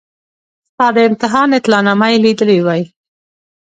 ستا د امتحان اطلاع نامه یې لیدلې وای.